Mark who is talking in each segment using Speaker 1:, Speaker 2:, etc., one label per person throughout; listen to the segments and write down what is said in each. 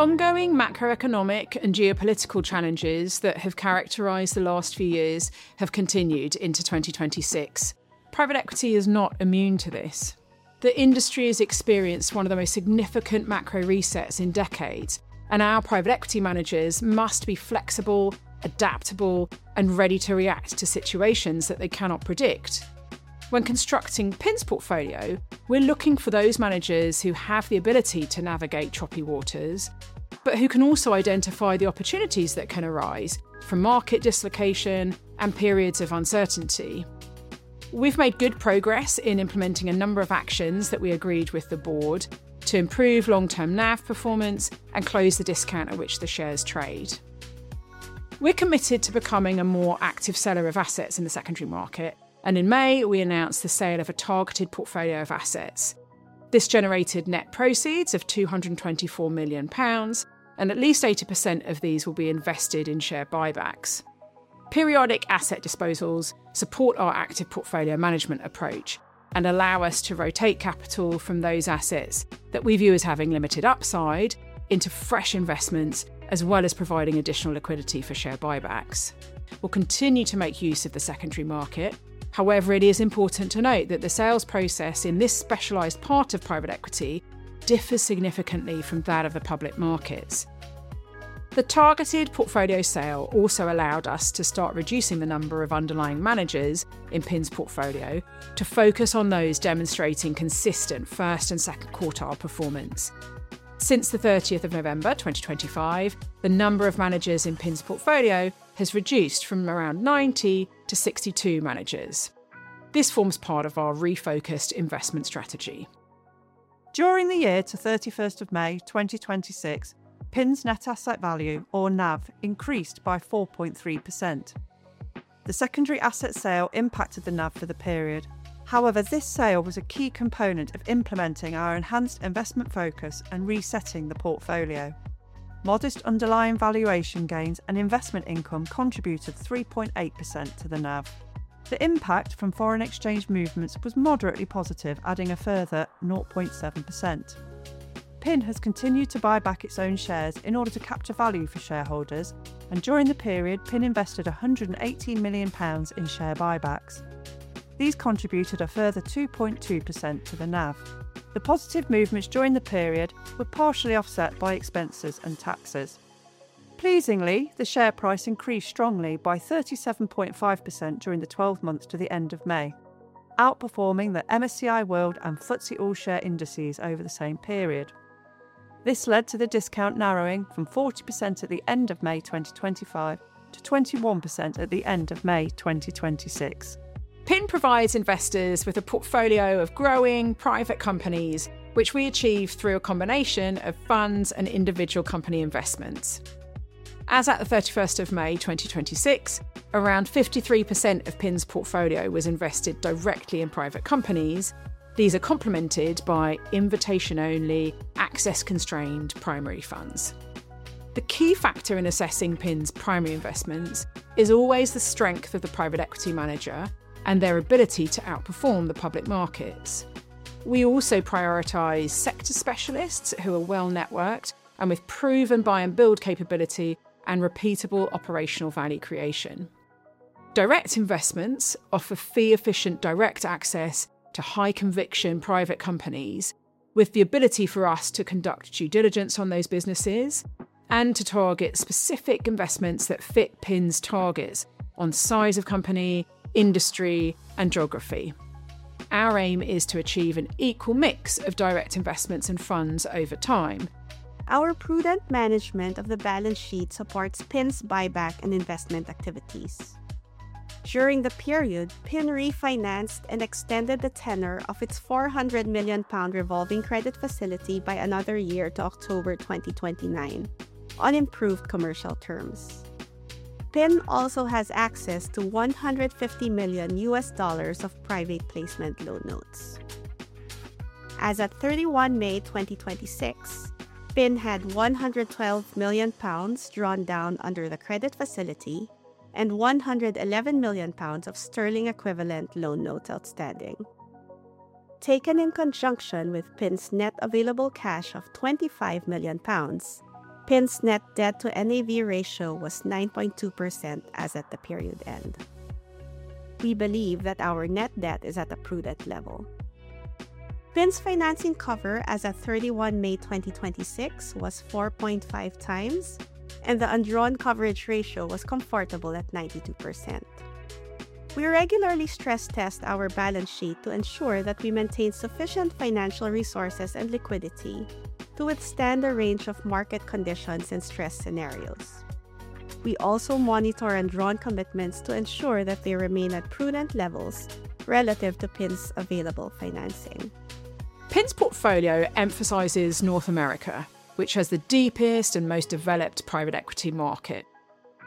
Speaker 1: Ongoing macroeconomic and geopolitical challenges that have characterized the last few years have continued into 2026. Private equity is not immune to this. The industry has experienced one of the most significant macro resets in decades, and our private equity managers must be flexible, adaptable, and ready to react to situations that they cannot predict. When constructing PIN's portfolio, we're looking for those managers who have the ability to navigate choppy waters, but who can also identify the opportunities that can arise from market dislocation and periods of uncertainty. We've made good progress in implementing a number of actions that we agreed with the board to improve long-term NAV performance and close the discount at which the shares trade. We're committed to becoming a more active seller of assets in the secondary market, and in May, we announced the sale of a targeted portfolio of assets. This generated net proceeds of 224 million pounds, and at least 80% of these will be invested in share buybacks. Periodic asset disposals support our active portfolio management approach and allow us to rotate capital from those assets that we view as having limited upside into fresh investments, as well as providing additional liquidity for share buybacks. We'll continue to make use of the secondary market. It is important to note that the sales process in this specialized part of private equity differs significantly from that of the public markets. The targeted portfolio sale also allowed us to start reducing the number of underlying managers in PIN's portfolio to focus on those demonstrating consistent first and second quartile performance. Since the November 30th, 2025, the number of managers in PIN's portfolio has reduced from around 90 to 62 managers. This forms part of our refocused investment strategy. During the year to May 31st, 2026, PIN's net asset value, or NAV, increased by 4.3%. The secondary asset sale impacted the NAV for the period. This sale was a key component of implementing our enhanced investment focus and resetting the portfolio. Modest underlying valuation gains and investment income contributed 3.8% to the NAV. The impact from foreign exchange movements was moderately positive, adding a further 0.7%. PIN has continued to buy back its own shares in order to capture value for shareholders, and during the period, PIN invested 118 million pounds in share buybacks. These contributed a further 2.2% to the NAV. The positive movements during the period were partially offset by expenses and taxes. Pleasingly, the share price increased strongly by 37.5% during the 12 months to the end of May, outperforming the MSCI World and FTSE All-Share indices over the same period. This led to the discount narrowing from 40% at the end of May 2025 to 21% at the end of May 2026. PIN provides investors with a portfolio of growing private companies, which we achieve through a combination of funds and individual company investments. As at the May 31st, 2026, around 53% of PIN's portfolio was invested directly in private companies. These are complemented by invitation-only, access-constrained primary funds. The key factor in assessing PIN's primary investments is always the strength of the private equity manager and their ability to outperform the public markets. We also prioritize sector specialists who are well-networked and with proven buy and build capability and repeatable operational value creation. Direct investments offer fee-efficient direct access to high-conviction private companies with the ability for us to conduct due diligence on those businesses and to target specific investments that fit PIN's targets on size of company, industry, and geography. Our aim is to achieve an equal mix of direct investments and funds over time. Our prudent management of the balance sheet supports PIN's buyback and investment activities. During the period, PIN refinanced and extended the tenor of its 400 million pound revolving credit facility by another year to October 2029 on improved commercial terms. PIN also has access to $150 million of private placement loan notes. As at May 31, 2026, PIN had 112 million pounds drawn down under the credit facility and 111 million of sterling equivalent loan notes outstanding. Taken in conjunction with PIN's net available cash of 25 million pounds, PIN's net debt to NAV ratio was 9.2% as at the period end. We believe that our net debt is at a prudent level. PIN's financing cover as at May 31, 2026 was 4.5 times, and the undrawn coverage ratio was comfortable at 92%. We regularly stress test our balance sheet to ensure that we maintain sufficient financial resources and liquidity to withstand a range of market conditions and stress scenarios. We also monitor undrawn commitments to ensure that they remain at prudent levels relative to PIN's available financing. PIN's portfolio emphasizes North America, which has the deepest and most developed private equity market.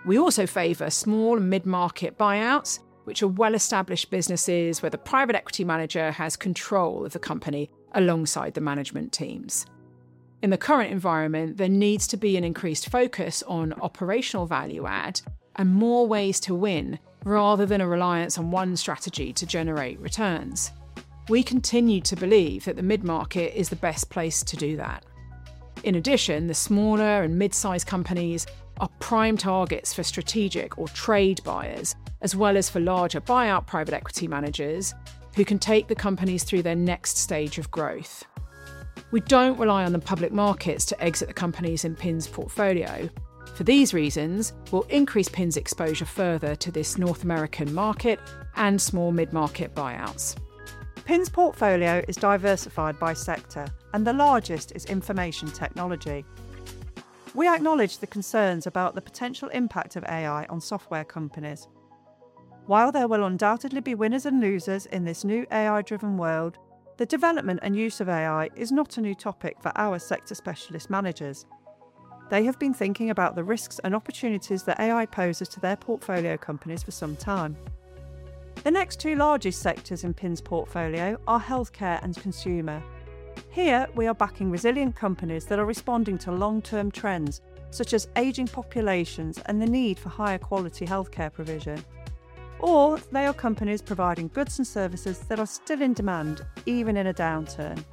Speaker 1: We also favor small and mid-market buyouts, which are well-established businesses where the private equity manager has control of the company alongside the management teams. In the current environment, there needs to be an increased focus on operational value add and more ways to win rather than a reliance on one strategy to generate returns. We continue to believe that the mid-market is the best place to do that. In addition, the smaller and mid-size companies are prime targets for strategic or trade buyers, as well as for larger buyout private equity managers who can take the companies through their next stage of growth. We don't rely on the public markets to exit the companies in PIN's portfolio. For these reasons, we'll increase PIN's exposure further to this North American market and small mid-market buyouts. PIN's portfolio is diversified by sector, and the largest is information technology. We acknowledge the concerns about the potential impact of AI on software companies. While there will undoubtedly be winners and losers in this new AI-driven world, the development and use of AI is not a new topic for our sector specialist managers. They have been thinking about the risks and opportunities that AI poses to their portfolio companies for some time. The next two largest sectors in PIN's portfolio are healthcare and consumer. Here, we are backing resilient companies that are responding to long-term trends, such as aging populations and the need for higher quality healthcare provision, or they are companies providing goods and services that are still in demand, even in a downturn.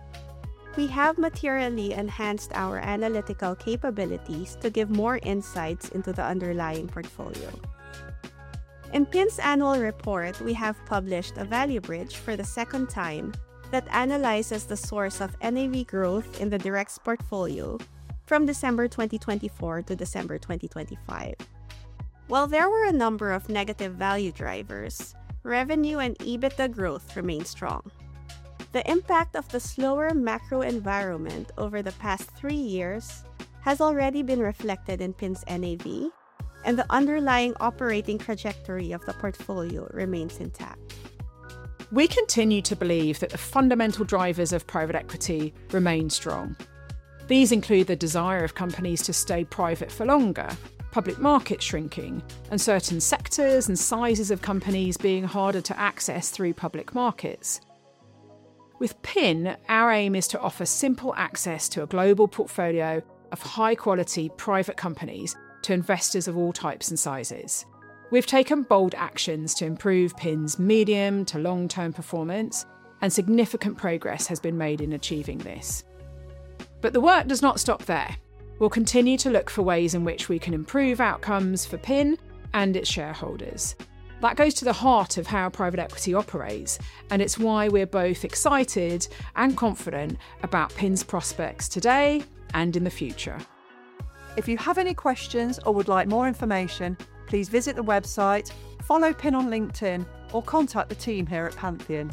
Speaker 1: We have materially enhanced our analytical capabilities to give more insights into the underlying portfolio. In PIN's annual report, we have published a value bridge for the second time that analyzes the source of NAV growth in the Directs portfolio from December 2024 to December 2025. While there were a number of negative value drivers, revenue and EBITDA growth remained strong. The impact of the slower macro environment over the past three years has already been reflected in PIN's NAV, and the underlying operating trajectory of the portfolio remains intact. We continue to believe that the fundamental drivers of private equity remain strong. These include the desire of companies to stay private for longer, public market shrinking, and certain sectors and sizes of companies being harder to access through public markets. With PIN, our aim is to offer simple access to a global portfolio of high-quality private companies to investors of all types and sizes. We've taken bold actions to improve PIN's medium to long-term performance, and significant progress has been made in achieving this. The work does not stop there. We'll continue to look for ways in which we can improve outcomes for PIN and its shareholders. That goes to the heart of how private equity operates, and it's why we're both excited and confident about PIN's prospects today and in the future. If you have any questions or would like more information, please visit the website, follow PIN on LinkedIn, or contact the team here at Pantheon.